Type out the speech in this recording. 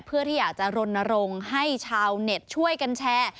เพื่อที่อยากจะรณรงค์ให้ชาวเน็ตช่วยกันแชร์